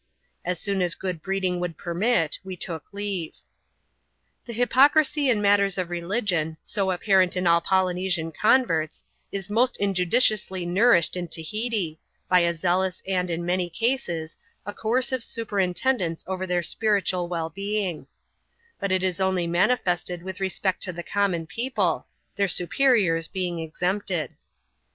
As soon as good breeding would permit, we took leave. The hypocrisy in matters of religion, so apparent in all Polynesian converts, is most injudiciously nourished in Tahiti, by a zealou3 and, in many cases, a coercive superintendence over * Vo^^ (Epistle to a Lady'i. N 178 ADVENTURES IN THE SOUTH SEAS, [chjjp. jlyl their spiritual well being. But it is only manifested with respect to the common people, their superiors being exempted.